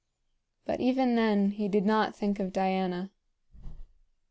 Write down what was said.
But even then he did not think of Diana.